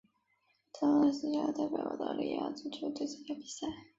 加莱科维奇也代表澳大利亚国家足球队参加比赛。